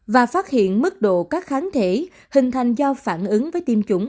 và phát hiện mức độ các kháng thể hình thành do phản ứng với tiêm chủng